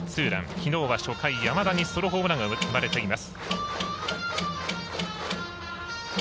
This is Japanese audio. きのうは初回、山田にソロホームランが生まれています。